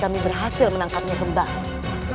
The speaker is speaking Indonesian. kami berhasil menangkapnya kembali